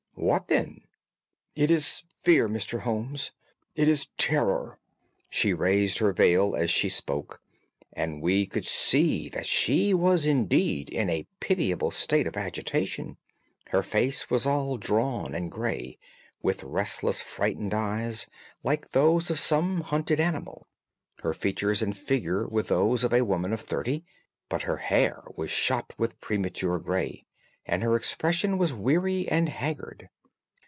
"What, then?" "It is fear, Mr. Holmes. It is terror." She raised her veil as she spoke, and we could see that she was indeed in a pitiable state of agitation, her face all drawn and grey, with restless frightened eyes, like those of some hunted animal. Her features and figure were those of a woman of thirty, but her hair was shot with premature grey, and her expression was weary and haggard.